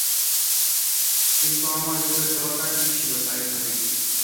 কিন্তু, আমার রূপের দরকার কী ছিল তাই ভাবি।